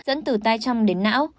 dẫn từ tai trong đến não